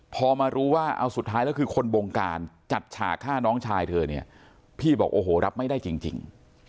พอมารู้ว่าเอาสุดท้ายแล้วคือคนบงการจัดฉากฆ่าน้องชายเธอเนี่ยพี่บอกโอ้โหรับไม่ได้จริง